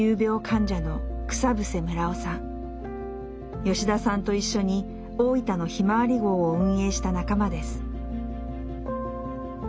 吉田さんと一緒に大分のひまわり号を運営した仲間です。